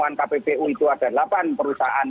dan kpu kpu itu ada delapan perusahaan